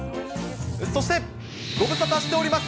そしてご無沙汰しております。